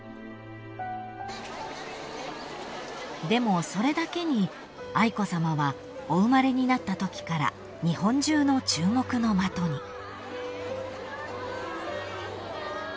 ［でもそれだけに愛子さまはお生まれになったときから日本中の注目の的に］